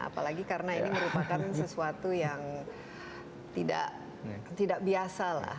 apalagi karena ini merupakan sesuatu yang tidak biasa lah